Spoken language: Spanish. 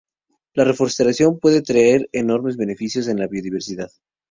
La reforestación puede traer enormes beneficios en la biodiversidad.